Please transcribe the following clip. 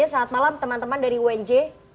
selamat malam teman teman dari unj